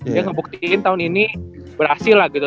dia ngebuktiin tahun ini berhasil lah gitu